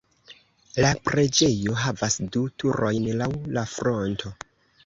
La preĝejo havas du turojn laŭ la fronto.